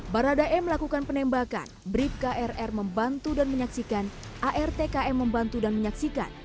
baradae melakukan penembakan brief krr membantu dan menyaksikan art km membantu dan menyaksikan